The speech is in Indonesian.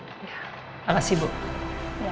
tapi kita akan kuat bersama ya